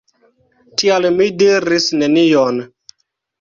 Tial mi diris nenion.